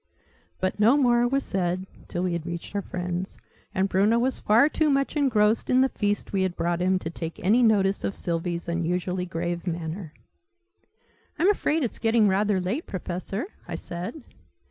But no more was said till we had reached our friends; and Bruno was far too much engrossed, in the feast we had brought him, to take any notice of Sylvie's unusually grave manner. "I'm afraid it's getting rather late, Professor?" I said.